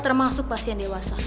termasuk pasien dewasa